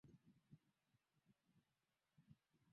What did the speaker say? Leo kumepambazuka.